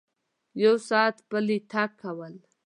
یو ساعت پلی تګ کول